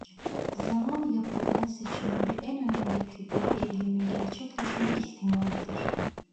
Zaman yapıların seçiminde en önemli kriter eylemin gerçekleşme ihtimalidir.